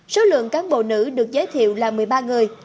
số lượng cán bộ nữ được giới thiệu là một mươi ba người